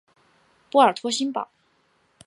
波尔托新堡。